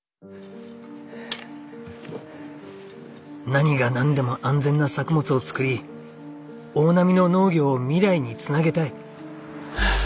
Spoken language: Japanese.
何が何でも安全な作物を作り大波の農業を未来につなげたい。